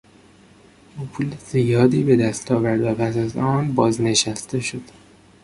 او پول زیادی به دست آورد و پس از آن بازنشسته شد.